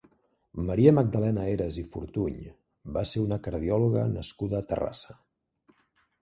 Maria Magdalena Heras i Fortuny va ser una cardiòloga nascuda a Terrassa.